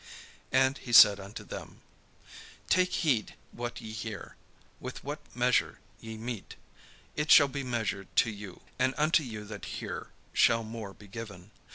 And he said unto them: "Take heed what ye hear: with what measure ye mete, it shall be measured to you; and unto you that hear shall more be given.